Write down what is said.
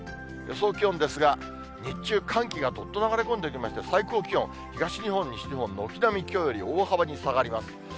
予想気温ですが、日中、寒気がどっと流れ込んできまして、最高気温、東日本、西日本、軒並みきょうより大幅に下がります。